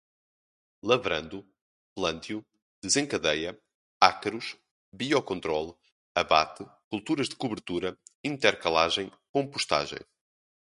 lavrando, plantio, desencadeia, ácaros, biocontrole, abate, culturas de cobertura, intercalar, compostagem